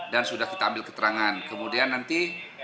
sudah kita ambil keterangan kemudian nanti